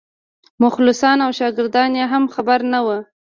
مخلصان او شاګردان یې هم خبر نه وو.